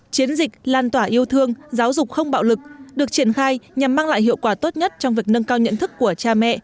chiến dịch lan tỏa yêu thương giáo dục không bạo lực được triển khai nhằm mang lại hiệu quả tốt nhất trong việc nâng cao nhận thức của cha mẹ